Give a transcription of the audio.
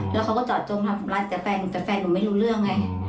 แล้วเขาก็จอดจมทำร้านแต่แฟนหนูแต่แฟนหนูไม่รู้เรื่องไง